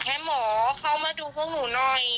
ให้หมอเข้ามาดูพวกหนูหน่อย